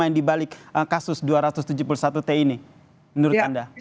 yang dibalik kasus dua ratus tujuh puluh satu t ini menurut anda